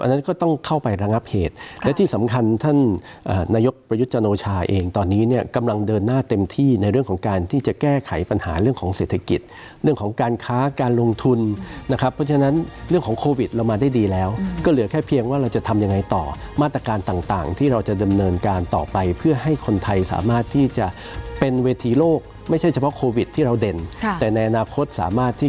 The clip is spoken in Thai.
อันนั้นก็ต้องเข้าไประงับเหตุและที่สำคัญท่านนายกประยุจจโนชาเองตอนนี้เนี่ยกำลังเดินหน้าเต็มที่ในเรื่องของการที่จะแก้ไขปัญหาเรื่องของเศรษฐกิจเรื่องของการค้าการลงทุนนะครับเพราะฉะนั้นเรื่องของโควิดเรามาได้ดีแล้วก็เหลือแค่เพียงว่าเราจะทำยังไงต่อมาตรการต่างที่เราจะดำเนินการต่อไปเพื่อให้คนไทยสามา